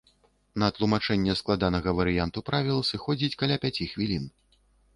На тлумачэнне складанага варыянту правіл сыходзіць каля пяці хвілін.